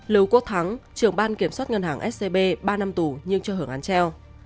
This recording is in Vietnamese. lưu quốc thắng trưởng ban kiểm soát ngân hàng scb ba năm tù nhưng cho hưởng án treo